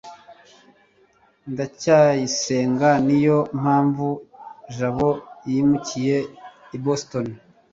ndacyayisenga niyo mpamvu jabo yimukiye i boston